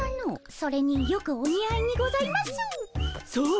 それによくお似合いにございます。